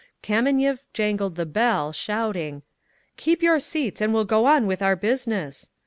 Kameniev jangled the bell, shouting, "Keep your seats and we'll go on with our business!"